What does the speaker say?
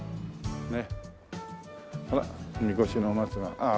ほら見越しの松がああ